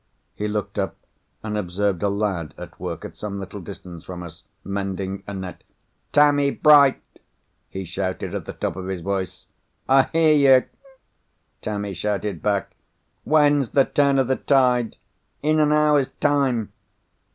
He looked up, and observed a lad at work, at some little distance from us, mending a net. "Tammie Bright!" he shouted at the top of his voice. "I hear you!" Tammie shouted back. "When's the turn of the tide?" "In an hour's time."